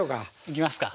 いきますか。